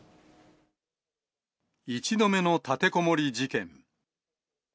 １度目の立てこもり事件。